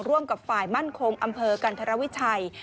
ร่วมกับฝ่ายมั่นคงอำเภอกันธรวิชัย